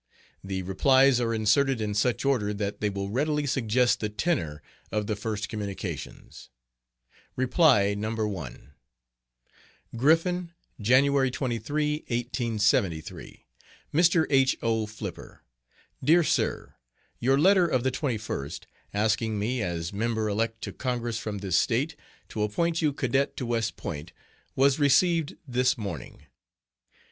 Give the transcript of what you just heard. The replies are inserted in such order that they will readily suggest the tenor of the first communications. Reply No. 1 GRIFFIN, January 23,1873. MR. H. O. FLIPPER. DEAR SIR: Your letter of the 21st, asking me, as member elect to Congress from this State, to appoint you cadet to West Point, was received this morning.